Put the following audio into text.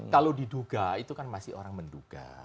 kalau diduga itu kan masih orang menduga